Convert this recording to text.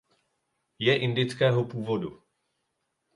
Je indického původu.